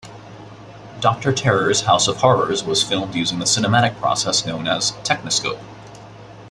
"Doctor Terror's House of Horrors" was filmed using the cinematic process known as Techniscope.